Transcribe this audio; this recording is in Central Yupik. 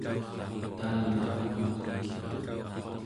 talmagtut